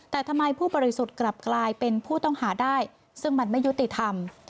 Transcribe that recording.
แต่ทำไมผู้บริสุทธิ์กลับกลายเป็นผู้ต้องหาได้ซึ่งมันไม่ยุติธรรม